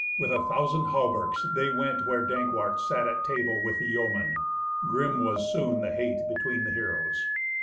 With a thousand hauberks they went where Dankwart sat at table with the yeomen. Grim was soon the hate between the heroes.